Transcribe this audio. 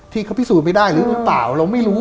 ที่เขาพิสูจน์ไม่ได้หรือหรือเปล่าเราไม่รู้